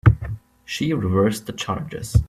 She reversed the charges.